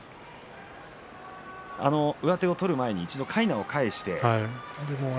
上手を取る前に一度かいなを返して。